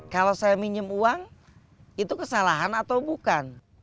kalau saya minjem uang itu kesalahan atau bukan